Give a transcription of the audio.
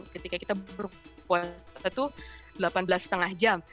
ketika kita berpuasa itu delapan belas lima jam